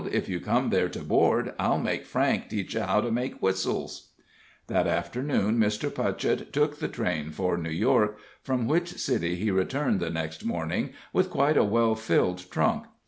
"If you come there to board, I'll make Frank teach you how to make whistles." That afternoon Mr. Putchett took the train for New York, from which city he returned the next morning with quite a well filled trunk.